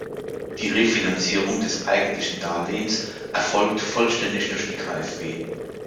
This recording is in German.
Die Refinanzierung des eigentlichen Darlehens erfolgt vollständig durch die KfW.